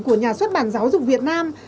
của nhà xuất bản giáo dục việt nam